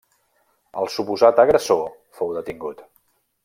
El suposat agressor fou detingut.